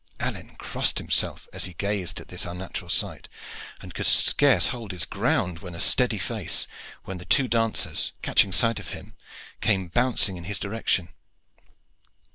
Alleyne crossed himself as he gazed at this unnatural sight, and could scarce hold his ground with a steady face, when the two dancers, catching sight of him, came bouncing in his direction.